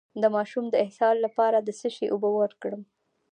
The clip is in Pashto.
د ماشوم د اسهال لپاره د څه شي اوبه ورکړم؟